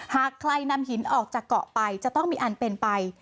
หากใครนำหินออกจากเกาะไปจะต้องมีอันเป็นไป